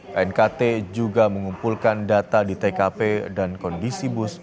knkt juga mengumpulkan data di tkp dan kondisi bus